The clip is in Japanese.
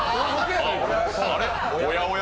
おやおや？